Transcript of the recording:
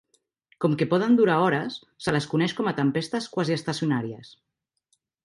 Com que poden durar hores, se les coneix com a tempestes quasiestacionàries.